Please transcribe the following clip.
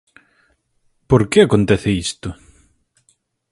¿Por que acontece isto?